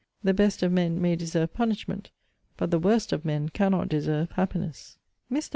The best of men may deserve punishment; but the worst of men cannot deserve happiness.' Mr.